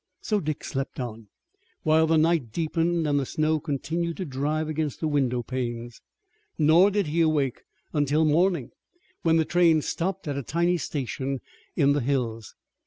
So Dick slept on, while the night deepened and the snow continued to drive against the window panes. Nor did he awake until morning, when the train stopped at a tiny station in the hills.